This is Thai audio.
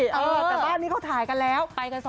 แต่ว่าอันนี้เขาถ่ายกันแล้ว